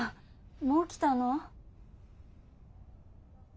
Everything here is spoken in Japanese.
もう来たの？